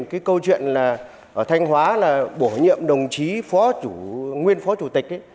cái câu chuyện là ở thanh hóa là bổ nhiệm đồng chí phó chủ nguyên phó chủ tịch